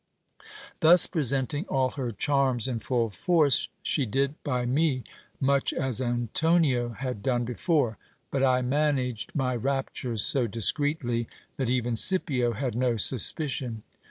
Thus presenting all her charms in full force, she did by me much as Antonia had done before ; but I managed my raptures so discreetly, that even Scipio had no suspicion.